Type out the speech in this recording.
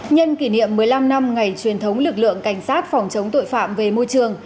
nhân kỷ niệm một mươi năm năm ngày truyền thống lực lượng cảnh sát phòng chống tội phạm về môi trường